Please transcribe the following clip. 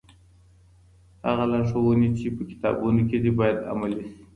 هغه لارښوونې چي په کتابونو کي دي، بايد عملي سي.